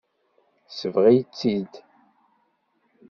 Tesbeɣ-itt-id.